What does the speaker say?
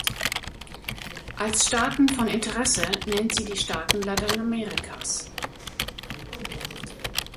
Als Staaten von Interesse nennt sie die Staaten Lateinamerikas.